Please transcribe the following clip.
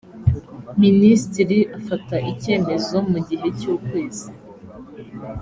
minisitiri afata icyemezo mu gihe cy’ukwezi